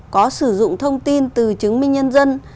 có sử dụng thông tin từ chứng minh nhân dân